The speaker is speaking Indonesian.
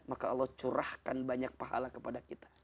maka allah curahkan banyak pahala kepada kita